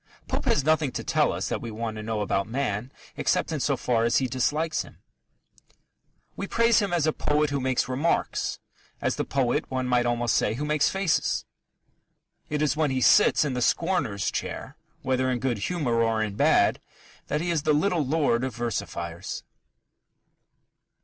Pope has nothing to tell us that we want to know about man except in so far as he dislikes him. We praise him as the poet who makes remarks as the poet, one might almost say, who makes faces. It is when he sits in the scorner's chair, whether in good humour or in bad, that he is the little lord of versifiers.